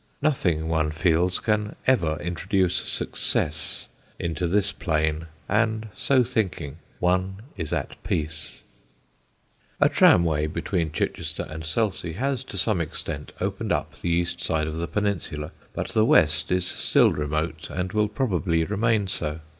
Nothing, one feels, can ever introduce Success into this plain, and so thinking, one is at peace. [Sidenote: THE MONOTONY OF MANHOOD] A tramway between Chichester and Selsey has to some extent opened up the east side of the peninsula, but the west is still remote and will probably remain so.